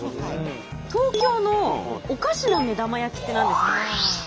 東京の「お菓子な目玉焼き」って何ですか？